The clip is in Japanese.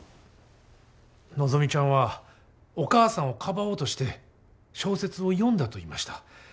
希ちゃんはお母さんをかばおうとして小説を読んだと言いました。